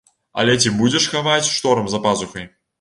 Але ці будзеш хаваць шторм за пазухай?